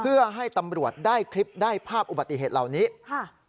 เพื่อให้ตำรวจได้คลิปได้ภาพอุบัติเหตุเหล่านี้ค่ะ